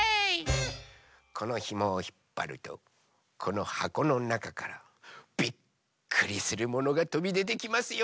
このひもをひっぱるとこのはこのなかからびっくりするものがとびでてきますよ！